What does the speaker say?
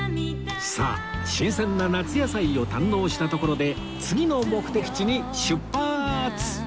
さあ新鮮な夏野菜を堪能したところで次の目的地に出発！